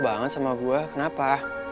banget sama gue kenapa